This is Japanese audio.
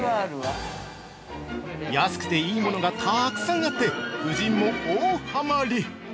◆安くていいものがたくさんあって、夫人も大ハマり！